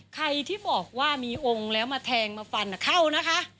ใครที่บอกว่ามีองค์แล้วมาแทงมาฟันเข้านะคะ